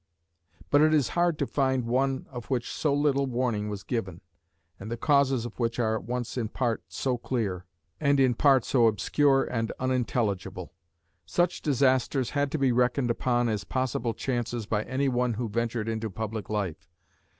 But it is hard to find one of which so little warning was given, and the causes of which are at once in part so clear, and in part so obscure and unintelligible. Such disasters had to be reckoned upon as possible chances by any one who ventured into public life.